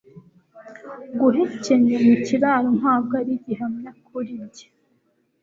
Guhekenya mu kiraro ntabwo ari gihamya kuri njye